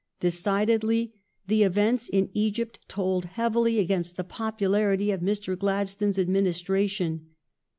Decidedly the events in Egypt told heavily against the popularity of Mr. Gladstone's administration.